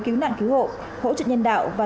cứu nạn cứu hộ hỗ trợ nhân đạo và